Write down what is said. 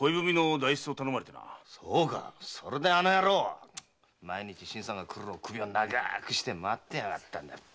そうかそれであの野郎毎日新さんが来るのを首を長くして待ってやがったんだ。